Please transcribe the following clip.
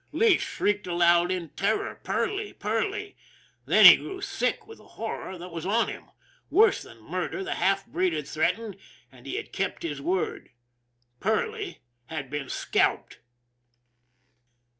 Lee shrieked aloud in terror. " Perley ! Perley !" Then he grew sick with the horror that was on him. Worse than murder the half breed had threat ened and he had kept his word. Perley had been scalped